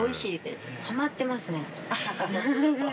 ハマってますね。